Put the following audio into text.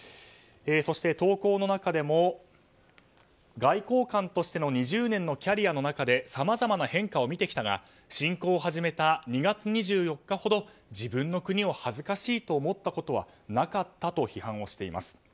そして、投稿の中でも外交官としての２０年のキャリアの中でさまざまな変化を見てきたが侵攻を始めた２月２４日ほど自分の国を恥ずかしいと思ったことはなかったと批判しています。